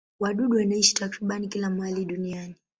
Wadudu wanaishi takriban kila mahali duniani.